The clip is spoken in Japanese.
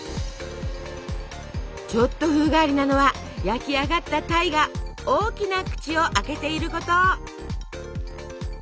ちょっと風変わりなのは焼き上がった鯛が大きな口を開けていること。